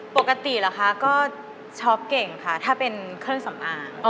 ปกติเหรอคะก็ชอบเก่งค่ะถ้าเป็นเครื่องสำอาง